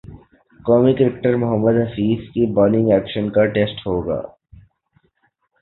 قومی کرکٹر محمد حفیظ کے bowling action کا ٹیسٹ ہو گا